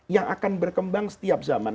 yang akan berkembang setiap zaman